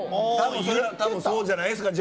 それは多分そうじゃないですか？